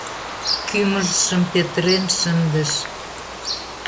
Кӱмыжшым петырен шындыш.